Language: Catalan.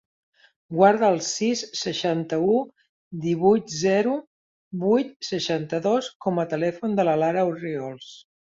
Guarda el sis, seixanta-u, divuit, zero, vuit, seixanta-dos com a telèfon de la Lara Orriols.